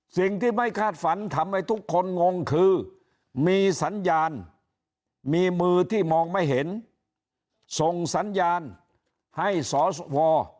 สิ่งที่ไม่คาดฝันทำให้ทุกคนงงคือมีสัญญาณมีมือที่มองไม่เห็นส่งสัญญาณให้สว